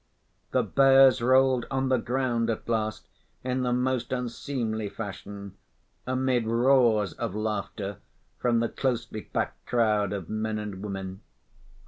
The bears rolled on the ground at last in the most unseemly fashion, amid roars of laughter from the closely‐packed crowd of men and women.